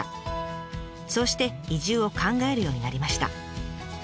そうして移住を考えるようになりました。